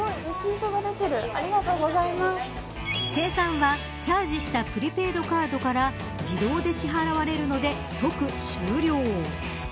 清算はチャージしたプリペイドカードから自動で支払われるので、即終了。